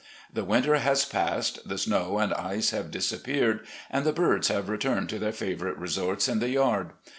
The winter has passed, the snow and ice have disappeared, and the birds have returned to their favourite resorts in the yard.